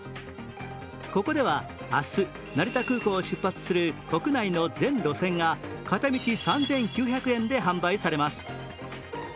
ここでは明日、成田空港を出発する国内の全路線が片道３９００円で販売されます。